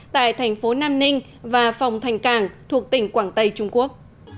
tại thành phố nam ninh và phòng thành cảng thuộc tỉnh quảng tây trung quốc